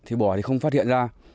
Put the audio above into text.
thì bỏ thì không phát hiện ra